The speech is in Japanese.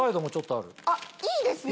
あっいいですね。